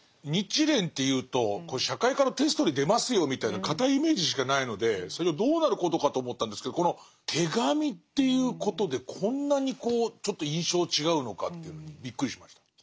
日蓮っていうと社会科のテストに出ますよみたいな堅いイメージしかないので最初どうなることかと思ったんですけどこの手紙っていうことでこんなにちょっと印象違うのかっていうのにびっくりしました。